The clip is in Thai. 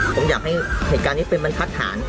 ผมอยากให้เหตุการณ์นี้เป็นบรรทัดฐาน